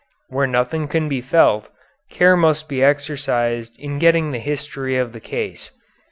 Where nothing can be felt care must be exercised in getting the history of the case.